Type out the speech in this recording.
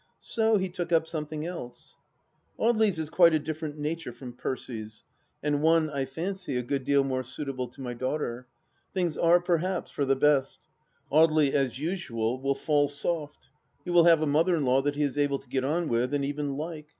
So he took up something else. Audely's is quite a different nature from Percy's, and one, I fancy, a good deal more suitable to my daughter. Things are, perhaps, for the best. Audely as usual will fall soft. ... He will have a mother in law that he is able to get on with, and even like.